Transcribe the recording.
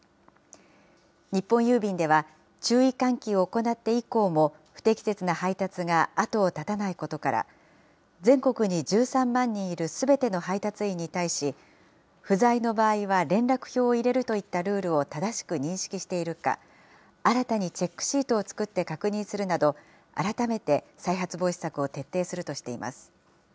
日本郵便では、注意喚起を行って以降も不適切な配達が後を絶たないことから、全国に１３万人いるすべての配達員に対し、不在の場合は連絡票を入れるといったルールを正しく認識しているか、新たにチェックシートを作って確認するなど、改めて再発防止策を徹底するとしています。